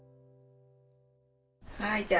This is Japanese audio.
はいじゃあ。